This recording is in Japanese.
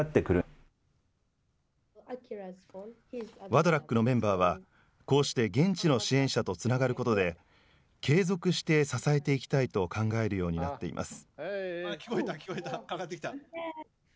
ワドラックのメンバーは、こうして現地の支援者とつながることで、継続して支えていきたいと考えるようになっています。